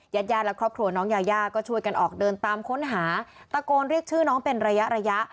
ญาติญาติและครอบครัวน้องยายาก็ช่วยกันออกเดินตามค้นหาตะโกนเรียกชื่อน้องเป็นระยะระยะ